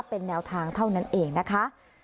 เป็นแนวทางเท่านั้นเองนะคะ